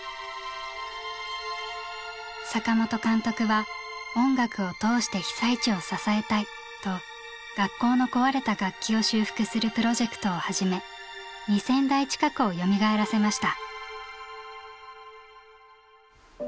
坂本監督は音楽を通して被災地を支えたいと学校の壊れた楽器を修復するプロジェクトを始め２，０００台近くをよみがえらせました。